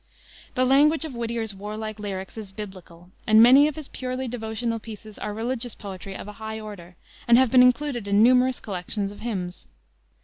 The language of Whittier's warlike lyrics is biblical, and many of his purely devotional pieces are religious poetry of a high order and have been included in numerous collections of hymns.